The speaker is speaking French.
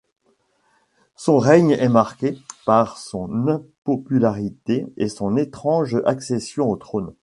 Son règne est marqué par son impopularité et son étrange accession au trône.